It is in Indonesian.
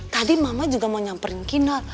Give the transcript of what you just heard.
tadi mama juga mau nyamperin kinar